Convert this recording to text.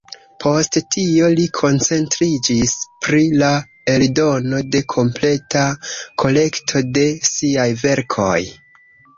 Post tio li koncentriĝis pri la eldono de kompleta kolekto de siaj verkoj.